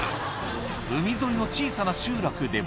海沿いの小さな集落でも。